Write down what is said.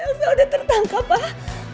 elsa udah tertangkap pak